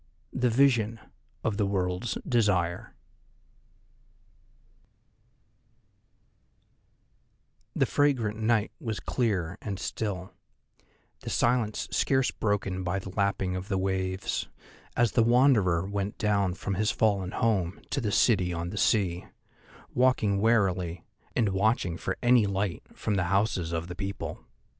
THE VISION OF THE WORLD'S DESIRE The fragrant night was clear and still, the silence scarce broken by the lapping of the waves, as the Wanderer went down from his fallen home to the city on the sea, walking warily, and watching for any light from the houses of the people.